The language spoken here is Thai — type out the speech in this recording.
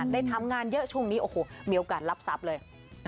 ได้ทำงานเยอะช่วงนี้โอ้โหมีโอกาสรับทรัพย์เลย